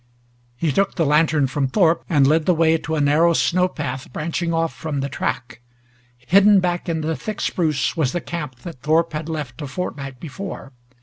He took the lantern from Thorpe and led the way to a narrow snow path branching off, from the track. Hidden back in the thick spruce was the camp that Thorpe had left a fortnight before.